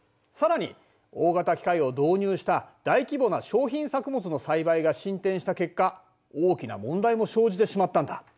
さらに大型機械を導入した大規模な商品作物の栽培が進展した結果大きな問題も生じてしまったんだ。